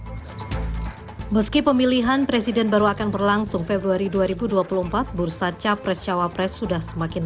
meski pemilihan presiden baru akan berlangsung februari dua ribu dua puluh empat bursa capres cawapres sudah semakin